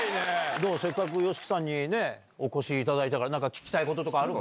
どう、せっかくＹＯＳＨＩＫＩさんにお越しいただいたから、なんか聞きたいことあるの？